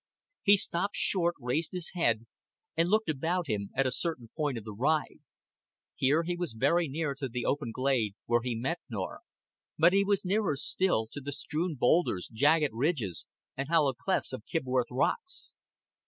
He stopped short, raised his head, and looked about him at a certain point of the ride. Here he was very near to the open glade where he met Norah; but he was nearer still to the strewn boulders, jagged ridges, and hollow clefts of Kibworth Rocks.